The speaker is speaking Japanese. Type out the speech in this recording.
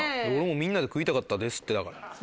俺もみんなで食いたかったですってだから。